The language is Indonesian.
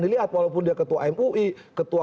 dilihat walaupun dia ketua mui ketua